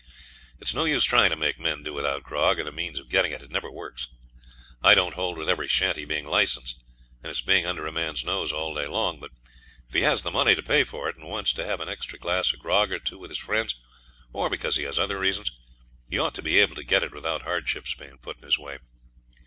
It's no use trying to make men do without grog, or the means of getting it; it never works. I don't hold with every shanty being licensed and its being under a man's nose all day long; but if he has the money to pay for it, and wants to have an extra glass of grog or two with his friends, or because he has other reasons, he ought to be able to get it without hardships being put in his way.